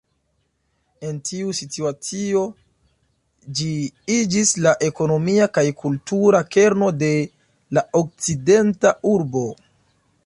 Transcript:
En tiu situacio ĝi iĝis la ekonomia kaj kultura kerno de la okcidenta urbo.